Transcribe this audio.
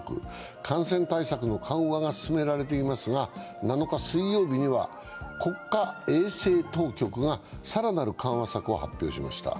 感染対策の緩和が進められていますが、７日水曜日には国家衛生当局が更なる緩和策を発表しました。